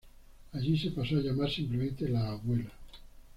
Allí se pasó a llamar simplemente "La abuela".